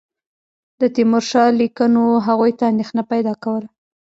د تیمورشاه لیکونو هغوی ته اندېښنه پیدا کوله.